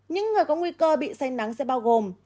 những người có nguy cơ bị say nắng sẽ bao gồm